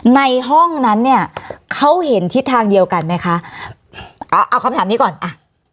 ในห้องนั้นเนี่ยเขาเห็นทิศทางเดียวกันไหมคะเอาเอาคำถามนี้ก่อนอ่ะ